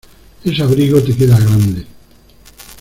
Ese abrigo te queda grande.